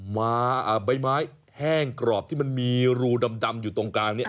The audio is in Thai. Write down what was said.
มาใบไม้แห้งกรอบที่มันมีรูดำอยู่ตรงกลางเนี่ย